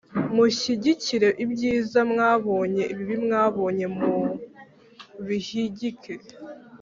mushyigikire ibyiza mwabonye, ibibi mwabonye mubihigike